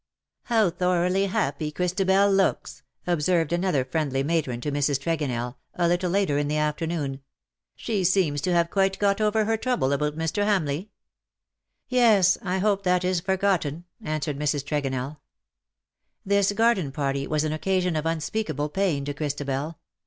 " How thoroughly happy Christabel looks,'' observed another friendly matron to Mrs. Trego nell, a little later in the afternoon :" she seems to have quite got over her trouble about Mr. Ham leigh/' "Yes, I hope that is forgotten," answered Mrs. Tregonell. This garden party was an occasion of unspeakable pain to Christabel.